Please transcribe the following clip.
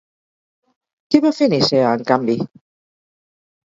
Què va fer Nicea, en canvi?